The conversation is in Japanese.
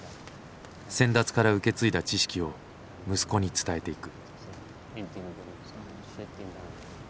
先達から受け継いだ知識を息子に伝えていく。